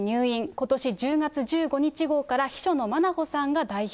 ことし１０月１５日号から、秘書のまなほさんが代筆。